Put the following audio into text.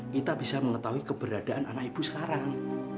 kita bisa mengetahui keberadaan anak ibu sekarang